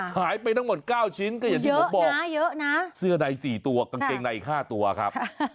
หายไปทั้งหมด๙ชิ้นก็อย่างที่ผมบอกนะเสื้อใน๔ตัวกางเกงใน๕ตัวครับ